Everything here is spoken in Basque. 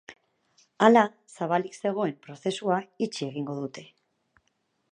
Hala, zabalik zegoen prozesua itxi egingo dute.